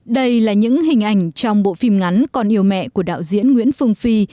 đây là những hình ảnh trong bộ phim ngắn còn yêu mẹ của đạo diễn nguyễn phương phi